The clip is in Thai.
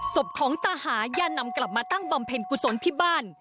ศพของตาหาย่านำกลับมาตั้งบำเพ็ญกุศลที่บ้าน